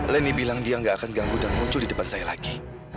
leni bilang dia gak akan ganggu dan muncul di depan saya lagi